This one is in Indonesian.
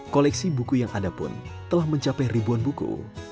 koleksi buku yang ada pun telah mencapai ribuan buku